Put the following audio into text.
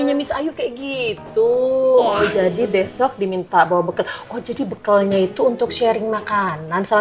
aku akan bawa bekal yang paling aku suka